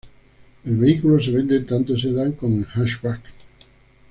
El vehículo se vende tanto en sedán como en hatchback.